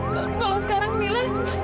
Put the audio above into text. kalau sekarang mila